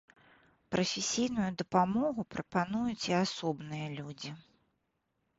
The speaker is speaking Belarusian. Прафесійную дапамогу прапануюць і асобныя людзі.